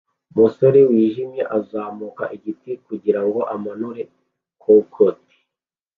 Umusore wijimye uzamuka igiti kugirango amanure cocout